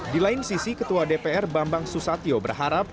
di lain sisi ketua dpr bambang susatyo berharap